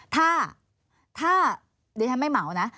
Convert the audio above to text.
ถ้าเดี๋ยวฉันไม่เหมานะ